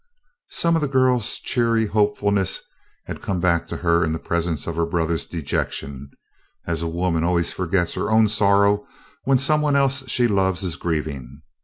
Some of the girl's cheery hopefulness had come back to her in the presence of her brother's dejection, as a woman always forgets her own sorrow when some one she loves is grieving.